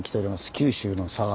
九州の佐賀。